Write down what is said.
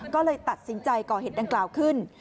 ก็เลยตัดสินใจก่อเหตุดังกล่าวขึ้น